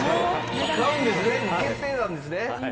決定なんですね？